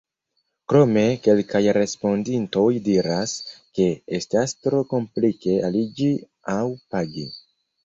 Krome kelkaj respondintoj diras, ke estas tro komplike aliĝi aŭ pagi.